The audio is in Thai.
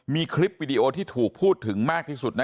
มีคลิปวิดีโอที่ถูกพูดถึงมากที่สุดนะ